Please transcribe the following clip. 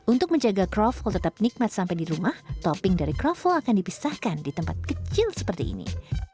untuk menjaga kroffel tetap nikmat sampai di rumah topping dari kroffel akan dipisahkan di tempat kecil seperti ini